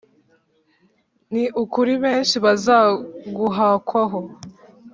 ni ukuri benshi bazaguhakwaho